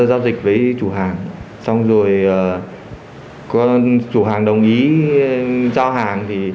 giao dịch với chủ hàng xong rồi có chủ hàng đồng ý giao hàng